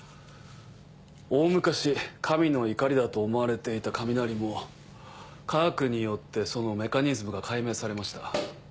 大昔神の怒りだと思われていた雷も科学によってそのメカニズムが解明されました。